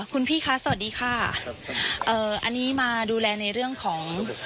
คุณพี่คะสวัสดีค่ะเอ่ออันนี้มาดูแลในเรื่องของ